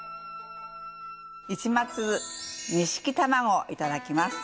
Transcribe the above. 市松錦玉子いただきます。